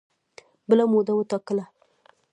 بله موده وټاکله